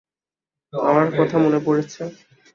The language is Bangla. আমার কথা মনে পড়েছে?